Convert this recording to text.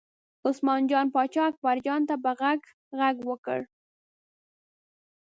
عثمان جان پاچا اکبرجان ته په غږ غږ وکړ.